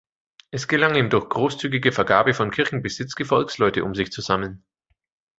Es gelang ihm durch großzügige Vergabe von Kirchenbesitz, Gefolgsleute um sich zu sammeln.